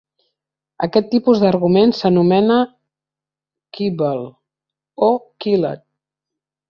Aquest tipus d'argument s'anomena "quibble" o "quillet".